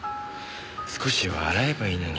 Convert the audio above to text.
少しは洗えばいいのに。